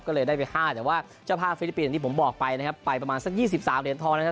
ก็เลยได้ไป๕แต่ว่าเจ้าภาพฟิลิปปินส์ที่ผมบอกไปนะครับไปประมาณสัก๒๓เหรียญทองนะครับ